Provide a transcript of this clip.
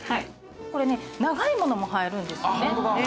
これね長いものも入るんですよね。